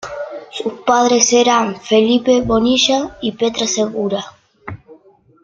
Sus padres eran Felipe Bonilla y Petra Segura.